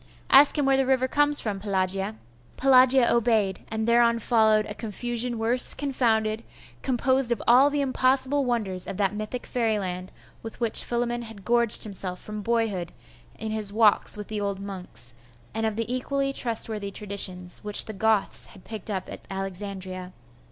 Ask him where the river comes from, Pelagia.' Pelagia obeyed.... and thereon followed a confusion worse confounded, composed of all the impossible wonders of that mythic fairyland with which Philammon had gorged himself from boyhood in his walks with the old monks, and of the equally trustworthy traditions which the Goths had picked up at Alexandria.